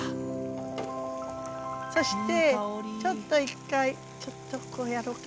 そしてちょっと一回ちょっとこうやろうかな。